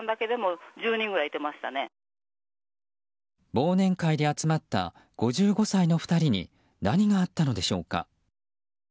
忘年会で集まった５５歳の２人に何があったのでしょうか。